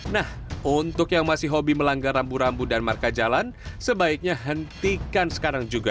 nah untuk yang masih hobi melanggar rambu rambu dan marka jalan sebaiknya hentikan sekarang juga